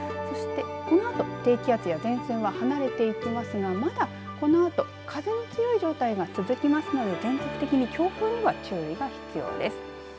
このあと低気圧や前線を離れていきますがまだこのあと風の強い状態が続きますので全国的に強風には注意が必要です。